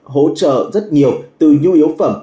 hỗ trợ rất nhiều từ nhu yếu phẩm